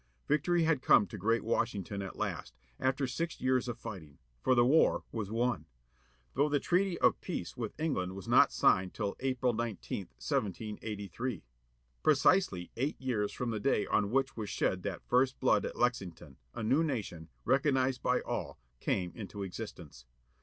Victory had come to great Washington at last, after six years of fighting ; for the war was won. Though the treaty of peace with England was not signed till April 19, 1783. Precisely eight years from the day on which was shed that first blood at Lexington, a new nation, recognized by all, came into existence.